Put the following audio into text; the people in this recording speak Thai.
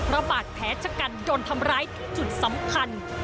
บาดแผลชะกันโดนทำร้ายที่จุดสำคัญ